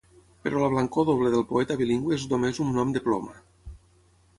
Però la blancor doble del poeta bilingüe és només un nom de ploma.